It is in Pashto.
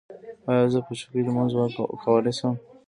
ایا زه په چوکۍ لمونځ کولی شم؟